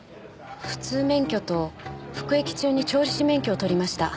普通免許と服役中に調理師免許を取りました。